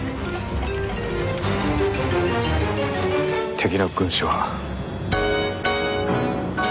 敵の軍師は。